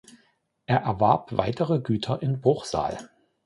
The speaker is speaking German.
Er erwarb weitere Güter in Bruchsal.